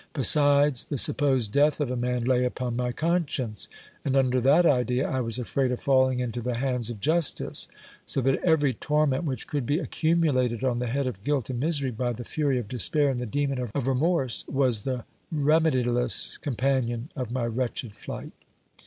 Besides, the supposed death of a man lay upon my conscience ; and under that idea, I was afraid of falling into the hands of justice ; so that every torment which could be accumulated on the head of guilt and misery by the fury of despair and the demon of remorse, was the remediless companion of my wretched flight.